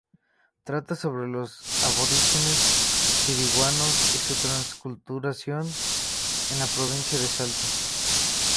Trata sobre los aborígenes chiriguanos y su transculturación en la provincia de Salta.